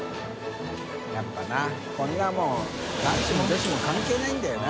笋辰僂これはもう男子も女子も関係ないんだよな。